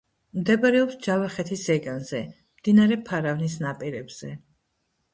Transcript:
მდებარეობს ჯავხეთის ზეგანზე, მდინარე ფარავნის ნაპირებზე.